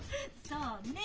そうね。